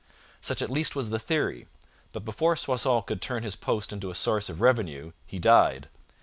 Such at least was the theory; but before Soissons could turn his post into a source of revenue he died.